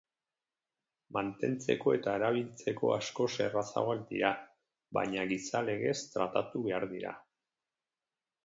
Mantentzeko eta erabiltzeko askoz errazagoak dira, baina gizalegez tratatu behar dira.